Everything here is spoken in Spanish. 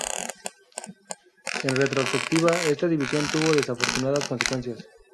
En retrospectiva, esta división tuvo desafortunadas consecuencias.